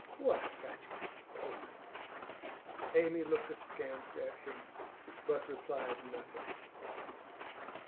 What fatuous posing!' Amy looked askance at him, but replied nothing.